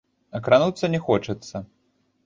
А крануцца не хочацца.